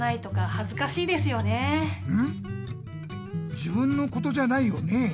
自分のことじゃないよね？